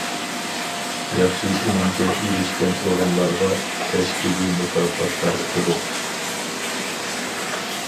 ياخشى ئۈنۈمگە ئېرىشكەن ئورۇنلارغا تەشكىلىي مۇكاپات تارقىتىدۇ.